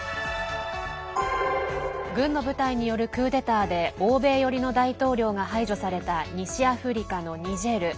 軍の部隊によるクーデターで欧米寄りの大統領が排除された西アフリカのニジェール。